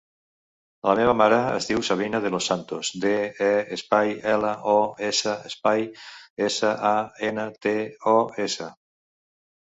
La meva mare es diu Sabrina De Los Santos: de, e, espai, ela, o, essa, espai, essa, a, ena, te, o, essa.